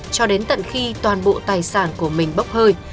cho đến tận khi toàn bộ tài sản của mình bốc hơi